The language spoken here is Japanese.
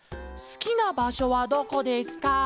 「すきなばしょはどこですか？」。